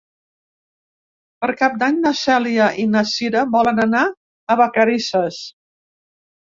Per Cap d'Any na Cèlia i na Cira volen anar a Vacarisses.